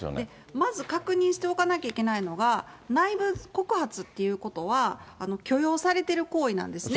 まず確認しておかなきゃいけないのが、内部告発ということは、許容されている行為なんですね。